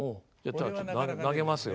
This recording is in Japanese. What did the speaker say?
投げますよ。